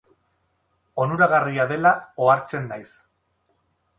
Onuragarria dela ohartzen naiz.